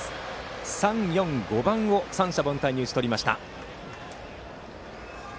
３、４、５番を三者凡退に打ち取りました。